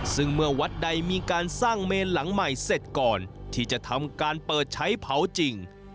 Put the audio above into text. ซึ่งเมื่อวัดใดมีการสร้างเมนหลังใหม่เสร็จก่อนที่จะทำการเปิดใช้เผาจริง